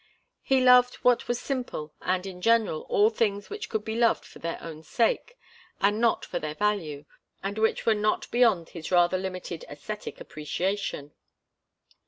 He loved what was simple and, in general, all things which could be loved for their own sake, and not for their value, and which were not beyond his rather limited æsthetic appreciation.